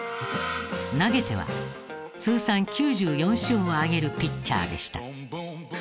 投げては通算９４勝を挙げるピッチャーでした。